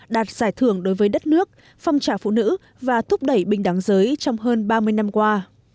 đạt giải thưởng đối với đất nước phong trào phụ nữ và thúc đẩy bình đẳng giới trong hơn ba mươi năm qua